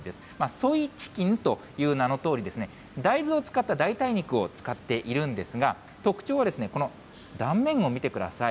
ソイチキンという名のとおり、大豆を使った代替肉を使っているんですが、特徴はこの断面を見てください。